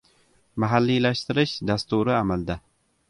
Mahalliylashtirish dasturi – amalda